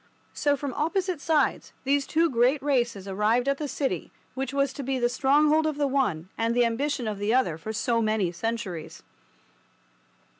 So, from opposite sides, those two great races arrived at the city which was to be the stronghold of the one and the ambition of the other for so many centuries.